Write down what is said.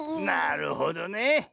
なるほどね。